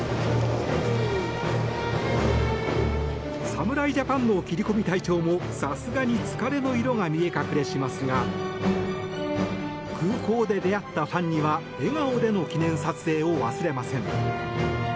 侍ジャパンの切り込み隊長もさすがに疲れの色が見え隠れしますが空港で出会ったファンには笑顔での記念撮影を忘れません。